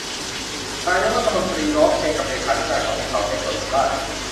นายกรัฐมนตรีร้องเพลงกับเลขานุการของเขาในสวนหลังบ้าน